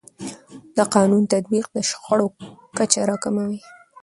د قانون تطبیق د شخړو کچه راکموي.